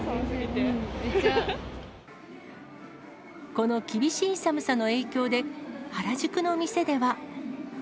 この厳しい寒さの影響で、原宿の店では。